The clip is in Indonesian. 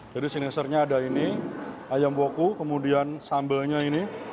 jadi sinisernya ada ini ayam woku kemudian sambelnya ini